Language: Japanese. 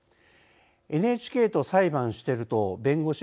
ＮＨＫと裁判している党弁護士